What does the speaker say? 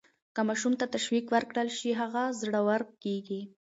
که ماشوم ته تشویق ورکړل شي، هغه زړور کیږي.